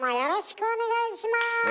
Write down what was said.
よろしくお願いします。